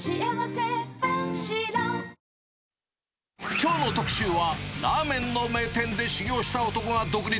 きょうの特集は、ラーメンの名店で修業した男が独立。